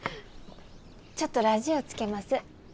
ちょっとラジオつけます。